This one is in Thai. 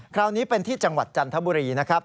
คราวนี้เป็นที่จังหวัดจันทบุรีนะครับ